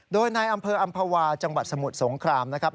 โดยในอำเภออำภาวาจังหวัดสมุทรสงครามนะครับ